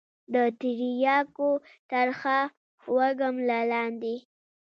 د ترياكو ترخه وږم له لاندې.